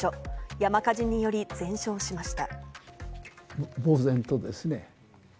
山火事により全焼しました。